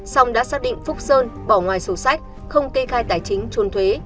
song đã xác định phúc sơn bỏ ngoài sổ sách không kê khai tài chính trôn thuế